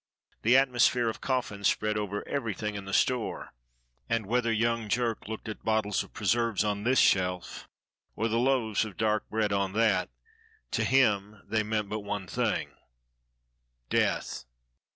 The atmosphere of coffins spread over everything in the store, and whether young Jerk looked at the bottles of preserves on this shelf or the loaves of dark bread on that, to him they meant but one thing : Death